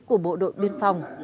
của bộ đội biên phòng